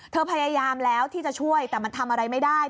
พยายามแล้วที่จะช่วยแต่มันทำอะไรไม่ได้